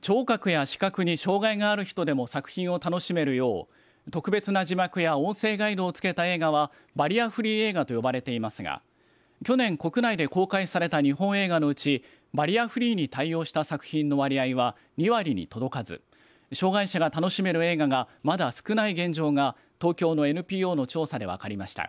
聴覚や視覚に障害がある人でも作品を楽しめるよう特別な字幕や音声ガイドをつけた映画はバリアフリー映画と呼ばれていますが、去年国内で公開された日本映画のうちバリアフリーに対応した作品の割合は２割に届かず障害者が楽しめる映画がまだ少ない現状が東京のＮＰＯの調査で分かりました。